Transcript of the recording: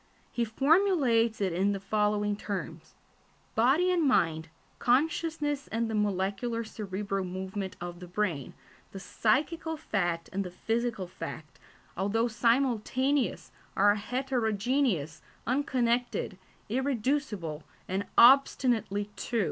He formulates it in the following terms: "body and mind, consciousness and the molecular cerebral movement of the brain, the psychical fact and the physical fact, although simultaneous, are heterogeneous, unconnected, irreducible, and obstinately two."